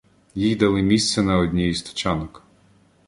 їй дали місце на одній із тачанок.